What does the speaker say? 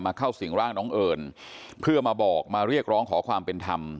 เข้าสิ่งร่างน้องเอิญเพื่อมาบอกมาเรียกร้องขอความเป็นธรรม